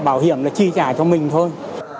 bảo hiểm là chi trả cho mình thôi